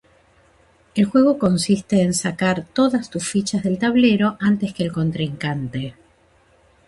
El juego consiste en sacar todas tus fichas del tablero antes que el contrincante.